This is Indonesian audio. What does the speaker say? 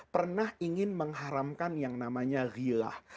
pernah ingin mengharamkan yang namanya hilah